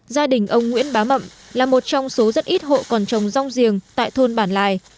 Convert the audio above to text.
gia đình ông nguyễn bá mậm là một trong số rất ít hộ còn trồng rong giềng tại thôn bản lài